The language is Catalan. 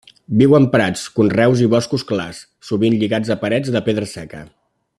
Viu en prats, conreus i boscos clars, sovint lligat a parets de pedra seca.